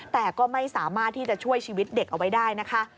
แต่ก็ไม่สามารถที่จะช่วยชีวิตเด็กเอาไว้ได้นะคะ